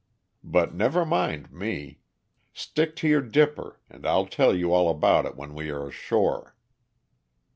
But never mind me. Stick to your dipper, and I'll tell you all about it when we are ashore."